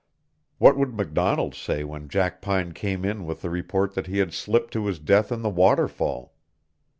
What would MacDonald say when Jackpine came in with the report that he had slipped to his death in the waterfall?